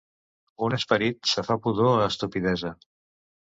Un esperit sa fa pudor a estupidesa!